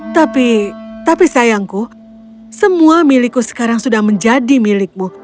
tapi tapi sayangku semua milikku sekarang sudah menjadi milikmu